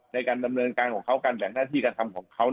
ในการดำเนินการของเขาการแบ่งหน้าที่การทำของเขา